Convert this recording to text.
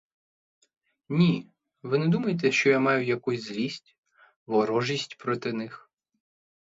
Ні, ви не думайте, що я маю якусь злість, ворожість проти них.